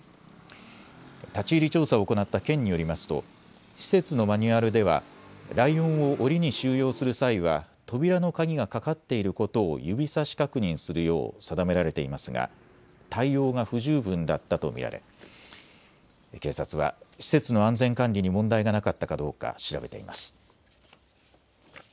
立ち入り調査を行った県によりますと施設のマニュアルではライオンをおりに収容する際は扉の鍵がかかっていることを指さし確認するよう定められていますが対応が不十分だったと見られ警察は施設の安全管理に問題がなかったかどうか調べています。